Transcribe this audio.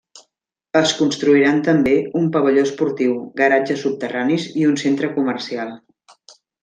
Es construiran també un pavelló esportiu, garatges subterranis i un centre comercial.